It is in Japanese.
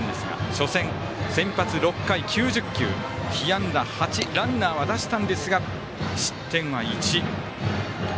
初戦、先発６回９９球、被安打８ランナーは出したんですが失点は１。